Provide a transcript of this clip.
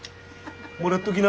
もらっとぎな。